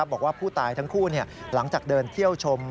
บอกว่าผู้ตายทั้งคู่หลังจากเดินเที่ยวชม